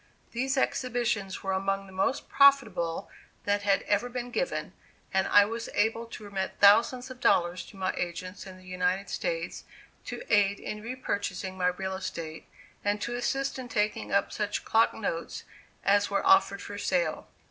These exhibitions were among the most profitable that had ever been given, and I was able to remit thousands of dollars to my agents in the United States to aid in re purchasing my real estate and to assist in taking up such clock notes as were offered for sale.